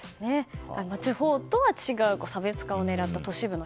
地方とは違う差別化を狙った都市部の